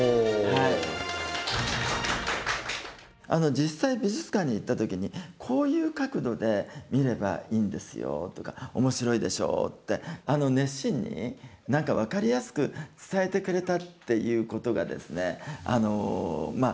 実際美術館に行った時にこういう角度で見ればいいんですよとかおもしろいでしょうってあの熱心に何か分かりやすく伝えてくれたっていうことがですねまあ